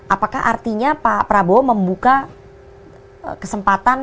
apakah artinya pak prabowo membuka kesempatan